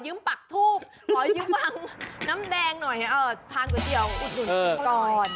อ๋อยึบบ้างน้ำแดงหน่อยผ่านก๋วยเตี๋ยวอุดหนุนก่อน